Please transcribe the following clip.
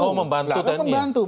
oh membantu tni